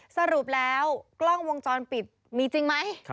สรุปแล้วกล้องวงจรปิดมีจริงไหม